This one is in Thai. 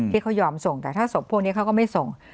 ที่เขายอมส่งแต่ถ้าศพพวกนี้เขาก็ไม่ส่ง